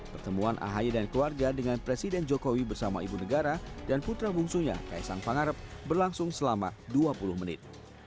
pertemuan ahy dan keluarga dengan presiden jokowi bersama ibu negara dan putra bungsunya kaisang pangarep berlangsung selama dua puluh menit